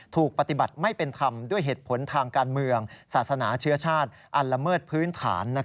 ถูกปฏิบัติไม่เป็นธรรมด้วยเหตุผลทางการเมืองศาสนาเชื้อชาติอันละเมิดพื้นฐาน